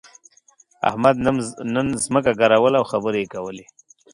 احمد نن ځمکه ګروله او خبرې يې کولې.